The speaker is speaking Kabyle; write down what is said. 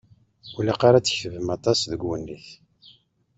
Ur ilaq ara ad tketbeḍ aṭas deg uwennit.